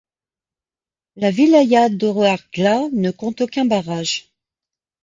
La wilaya d'Ouargla ne compte aucun barrage.